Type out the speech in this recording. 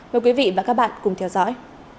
mời quý vị và các bạn cùng theo dõi